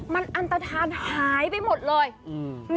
มันอันตฐานหายไปหมดเลยอืม